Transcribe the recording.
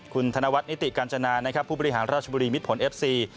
คุณธนวัฒนิติกาญจนานะครับผู้บริหารราชบุรีมิดผลเอฟซี